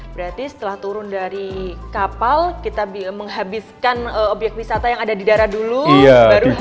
berarti setelah turun dari kapal kita menghabiskan obyek wisata yang ada di darat dulu baru